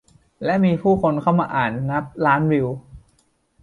และมีผู้คนเข้ามาอ่านนับล้านวิว